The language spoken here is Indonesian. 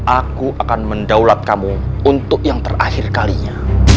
aku akan mendaulat kamu untuk yang terakhir kalinya